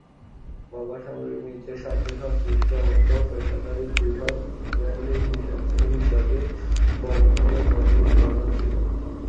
বাবা সামরিক নৃত্যের সাথে সংশ্লিষ্ট অর্ধ-পেশাদারী বৃহৎ ব্যান্ড হিসেবে বব মিলার ব্যান্ডের প্রধান ছিলেন।